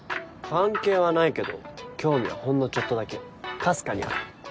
関係はないけど興味はほんのちょっとだけかすかにある。